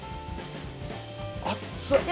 あっつ。